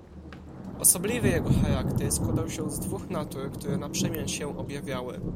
"Osobliwy jego charakter składał się z dwóch natur, które naprzemian się objawiały."